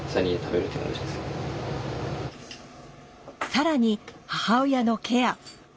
更に母親のケア。